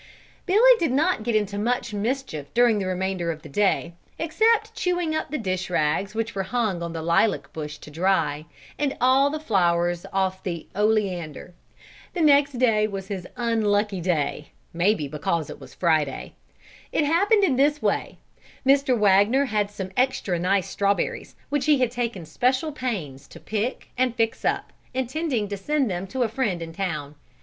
Billy did not get into much mischief during the remainder of the day, except chewing up the dish rags which were hung on the lilac bush to dry, and all the flowers off the oleander. The next day was his unlucky day, maybe because it was Friday. It happened in this way, Mr. Wagner had some extra nice strawberries, which he had taken special pains to pick and fix up, intending to send them to a friend in town.